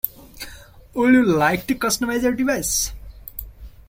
Would you like to customize your device?